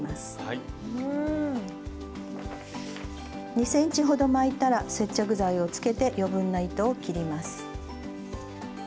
２ｃｍほど巻いたら接着剤をつけて余分な糸を切ります。